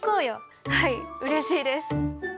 はいうれしいです。